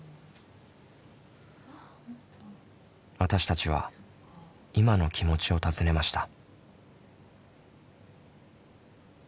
私たちは今の気持ちを尋ねました。